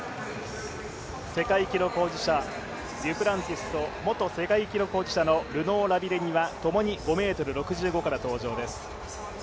請願記録保持者デュプランティスと元世界記録保持者のルノー・ラビレニは共に５ｍ６５から登場です。